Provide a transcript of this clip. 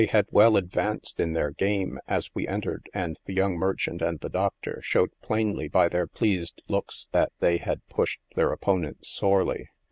had well advanced in their game, as we entered, and the young merchant and the doctor showed plainly by their pleased looks that they had pushed their opponents sorely.